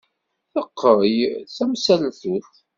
Teqqel d tamsaltut.